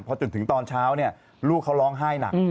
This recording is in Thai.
พอจนถึงตอนเช้าลูกเขาร้องไห้หนัก